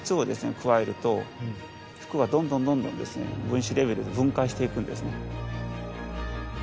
加えると服がどんどんどんどん分子レベルで分解していくんですね